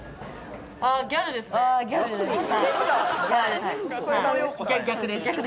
あギャルです